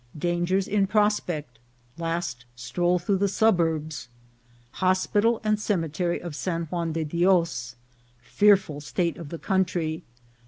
— Dangers in Prospect.— Last Stroll through the Suburbs. — Hospital and Cemetery of San Juan de Dios. — Fearful State of the Country.